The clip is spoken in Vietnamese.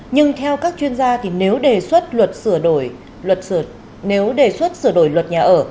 nhưng theo các chuyên gia nếu đề xuất sửa đổi luật nhà ở